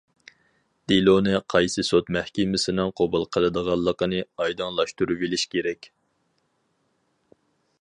دېلونى قايسى سوت مەھكىمىسىنىڭ قوبۇل قىلىدىغانلىقىنى ئايدىڭلاشتۇرۇۋېلىش كېرەك.